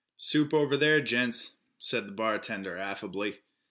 "Soup over there, gents," said the bartender affably.